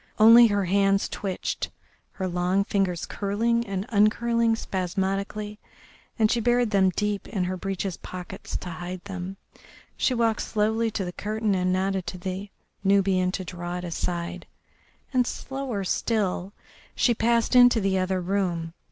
Only her hands twitched, her long fingers curling and uncurling spasmodically, and she buried them deep in her breeches' pockets to hide them. She walked slowly to the curtain and nodded to the Nubian to draw it aside, and slower still she passed into the other room.